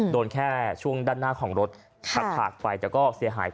โดนแค่ช่วงด้านหน้าของรถขาดไปแต่ก็เสียหายไป